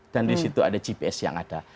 di situ ada gps yang ada